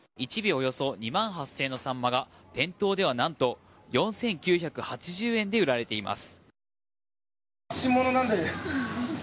およそ２万８０００円のサンマが店頭では何と４９８０円で売られています。